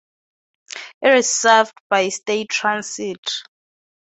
It is served by State Transit.